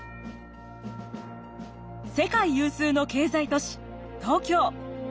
世界有数の経済都市東京。